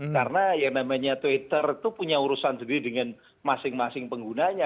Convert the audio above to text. karena yang namanya twitter itu punya urusan sendiri dengan masing masing penggunanya